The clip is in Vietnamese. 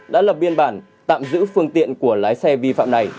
đã lập biên bản tạm giữ phương tiện của lái xe vi phạm này